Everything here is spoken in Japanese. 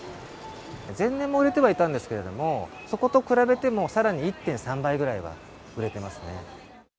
前年も売れてはいたんですけど、そこと比べても、さらに１．３倍ぐらいは売れてますね。